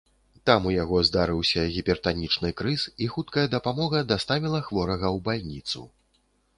Там у яго здарыўся гіпертанічны крыз, і хуткая дапамога даставіла хворага ў бальніцу.